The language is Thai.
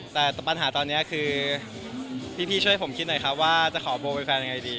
แต่ปัญหาตอนนี้คือพี่เชิญให้ผมให้คิดหน่อยครับว่าจะขอโบล์ให้แฟนอย่างไรดี